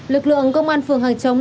lực lượng công an phường hàng chống